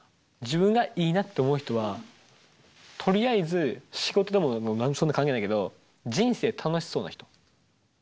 自分がいいなって思う人はとりあえず仕事でも関係ないけど人生楽しそうな人。